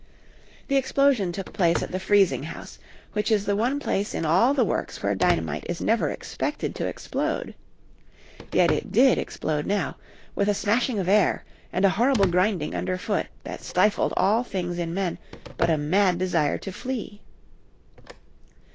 This explosion took place at the freezing house, which is the one place in all the works where dynamite is never expected to explode. Yet it did explode now, with a smashing of air and a horrible grinding underfoot that stifled all things in men but a mad desire to flee.